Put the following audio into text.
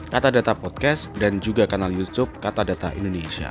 katadata podcast dan juga kanal youtube katadata indonesia